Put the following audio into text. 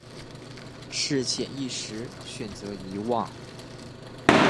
是潜意识选择遗忘